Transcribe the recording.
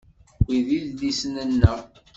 Wi d idlisen-nneɣ.